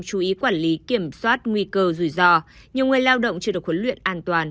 chú ý quản lý kiểm soát nguy cơ rủi ro nhiều người lao động chưa được huấn luyện an toàn